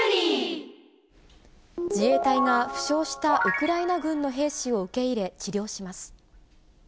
自衛隊が負傷したウクライナ軍の兵士を受け入れ、治療します。